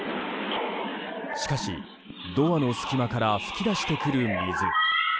しかし、ドアの隙間から噴き出してくる水。